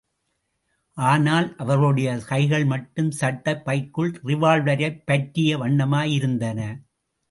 ஆனால், அவர்களுடைய கைகள் மட்டும் சட்டைப்பைக்குள் ரிவால்வரைப் பற்றிய வண்ணமாயிருந்தன.